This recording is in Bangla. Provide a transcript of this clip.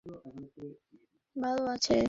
এখন ভালো আছে।